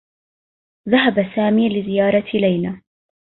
ذهب سامي لزيارة ليلى